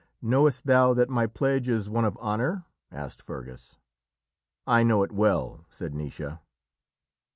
"Knowest thou that my pledge is one of honour?" asked Fergus. "I know it well," said Naoise.